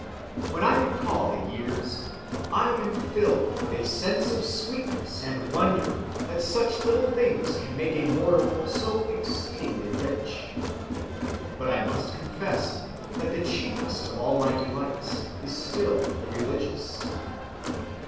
When I recall the years ... I am filled with a sense of sweetness and wonder that such little things can make a mortal so exceedingly rich. But I must confess that the chiefest of all my delights is still the religious."